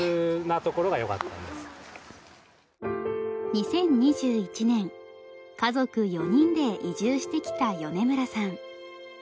２０２１年家族４人で移住してきた米村さん。